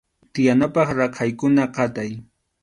Tiyanapaq raqaykuna qatay.